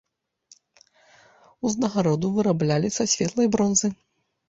Узнагароду выраблялі са светлай бронзы.